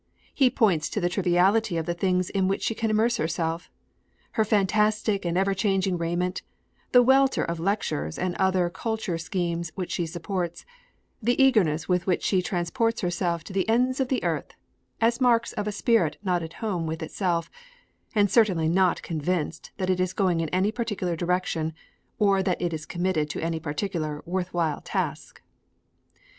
He points to the triviality of the things in which she can immerse herself her fantastic and ever changing raiment, the welter of lectures and other culture schemes which she supports, the eagerness with which she transports herself to the ends of the earth as marks of a spirit not at home with itself, and certainly not convinced that it is going in any particular direction or that it is committed to any particular worth while task.